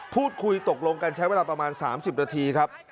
พูดคุยตกลงกันใช้เวลาประมาณ๓๐นาทีครับ